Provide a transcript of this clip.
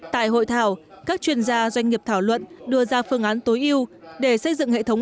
tại hội thảo các chuyên gia doanh nghiệp thảo luận đưa ra phương án tối ưu để xây dựng hệ thống